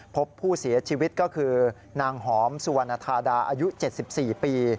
พบผู้เสียชีวิตก็คือนางหอมสุวรรณธาดาอายุ๗๔ปี